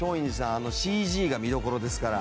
あのＣＧが見どころですから。